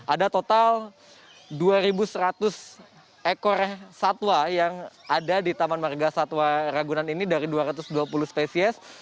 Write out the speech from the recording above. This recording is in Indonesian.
ada total dua seratus ekor satwa yang ada di taman marga satwa ragunan ini dari dua ratus dua puluh spesies